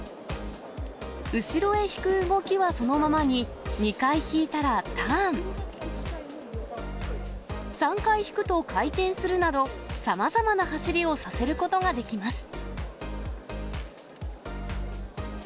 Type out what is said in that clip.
後ろへ引く動きはそのままに、２回引いたらターン、３回引くと回転するなど、さまざまな走りをさせることができます。